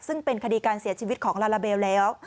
ซึ่งเป็นคดีการเสียชีวิตของลาลาเบลแล้ว